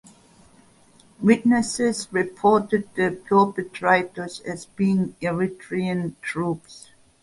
Witnesses reported the perpetrators as being Eritrean troops.